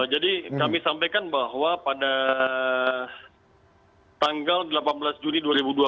jadi kami sampaikan bahwa pada tanggal delapan belas juni dua ribu dua puluh